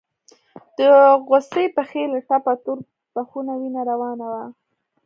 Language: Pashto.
د غوڅې پښې له ټپه تور بخونه وينه روانه وه.